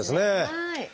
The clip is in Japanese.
はい。